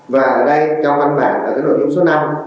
và ở đây trong văn bản ở đội tổ chức số năm